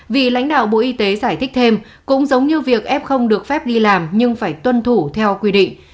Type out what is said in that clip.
vì lãnh đạo bộ y tế giải thích thêm cũng giống như việc f được phép đi làm nhưng phải tuân thủ theo quy định